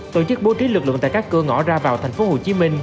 tổ chức bố trí lực lượng tại các cửa ngõ ra vào tp hcm